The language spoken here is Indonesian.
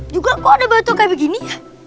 juga kok ada batu kayak begini